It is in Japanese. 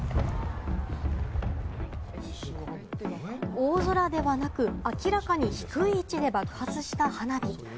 大空ではなく、明らかに低い位置で爆発した花火。